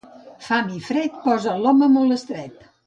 Fam i fred posen l'home molt estret.